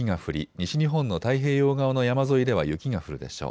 西日本の太平洋側の山沿いでは雪が降るでしょう。